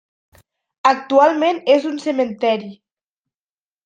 Actualment és un cementeri.